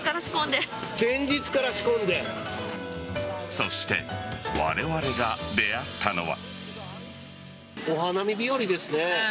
そしてわれわれが出会ったのは。